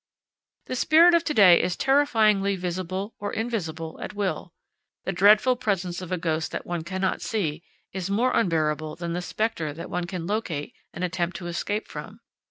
The spirit of to day is terrifyingly visible or invisible at will. The dreadful presence of a ghost that one cannot see is more unbearable than the specter that one can locate and attempt to escape from.